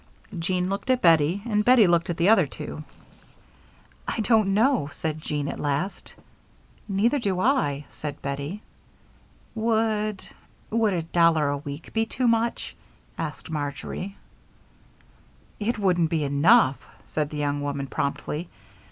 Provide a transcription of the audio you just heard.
Jean looked at Bettie, and Bettie looked at the other two. "I don't know," said Jean, at last. "Neither do I," said Bettie. "Would would a dollar a week be too much?" asked Marjory. "It wouldn't be enough," said the young woman, promptly.